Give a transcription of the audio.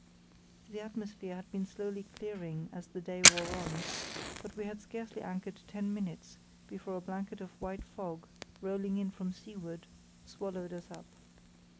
The atmosphere had been slowly clearing as the day wore on; but we had scarcely anchored ten minutes before a blanket of white fog, rolling in from seaward, swallowed us up.